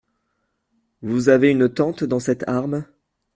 Vous avez une tante dans cette arme ?